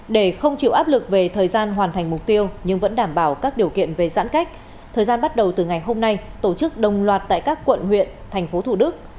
để không chịu áp lực về thời gian hoàn thành mục tiêu nhưng vẫn đảm bảo các điều kiện về giãn cách thời gian bắt đầu từ ngày hôm nay tổ chức đồng loạt tại các quận huyện thành phố thủ đức